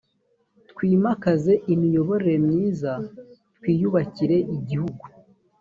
twimakaze imiyoborere myiza twiyubakire igihugu